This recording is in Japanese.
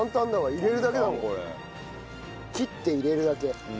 切って入れるだけ。